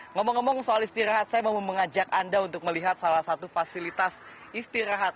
ngomong ngomong soal istirahat saya mau mengajak anda untuk melihat salah satu fasilitas istirahat